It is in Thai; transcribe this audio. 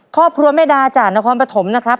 ครอบครัวแม่ดาจากนครปฐมนะครับ